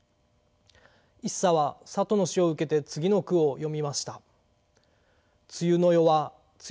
一茶はさとの死を受けて次の句を詠みました。